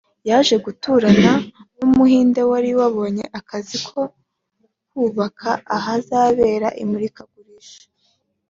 yaje guturana n’Umuhinde wari wabonye akazi ko kubaka ahazabera imurikagurisha